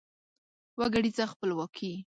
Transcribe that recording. وګړیزه خپلواکي